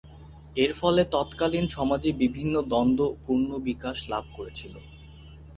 এর ফলে তৎকালীন সমাজে বিভিন্ন দ্বন্দ্ব পূর্ণ বিকাশ লাভ করেছিল।